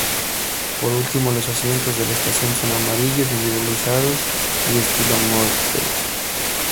Por último, los asientos de la estación son amarillos, individualizados y de estilo "Motte".